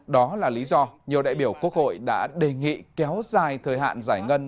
đó là lý do nhiều đại biểu quốc hội đã đề nghị kéo dài thời hạn giải ngân